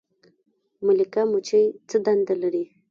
ملکه مچۍ څه دنده لري؟